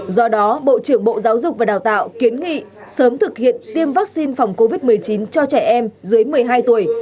giáo dục và đào tạo kiến nghị sớm thực hiện tiêm vaccine phòng covid một mươi chín cho trẻ em dưới một mươi hai tuổi